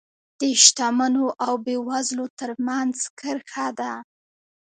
د شتمنو او بېوزلو ترمنځ کرښه ده.